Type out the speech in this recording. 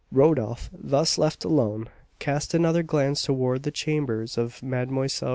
Rodolph, thus left alone, cast another glance towards the chambers of Mlle.